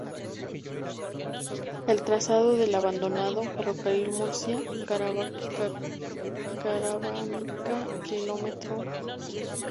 El trazado del abandonado ferrocarril Murcia-Caravaca, km.